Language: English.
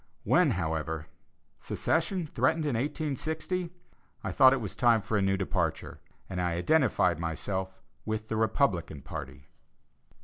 When, however, secession threatened in 1860, I thought it was time for a "new departure," and I identified myself with the Republican party.